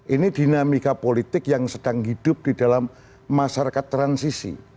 ini dinamika politik yang sedang hidup di dalam masyarakat transisi